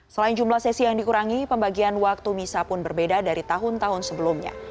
selain jumlah sesi yang dikurangi pembagian waktu misa pun berbeda dari tahun tahun sebelumnya